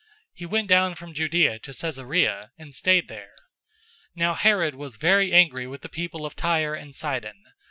He went down from Judea to Caesarea, and stayed there. 012:020 Now Herod was very angry with the people of Tyre and Sidon.